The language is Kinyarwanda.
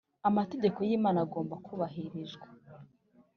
amategeko y Imana agomba kubahirijwa